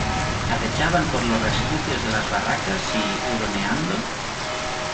acechaban por los resquicios de las barracas, y , huroneando